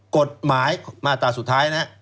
กฎหมายมาตราสุดท้ายนะ